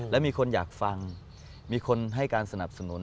และมีคนอยากฟังมีคนให้การสนับสนุน